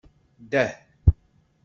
Dah.